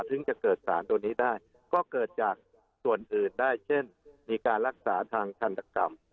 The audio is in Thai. ถึงจะเกิดสารตัวนี้ได้ก็เกิดจากส่วนอื่นได้เช่นมีการรักษาทางทันตกรรม